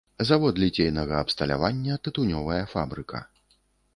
Завод ліцейнага абсталявання, тытунёвая фабрыка.